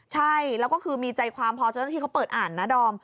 ใช่แล้วก็คือมีใจความพอเจ้าหน้าที่เขาเปิดอ่านนะดอม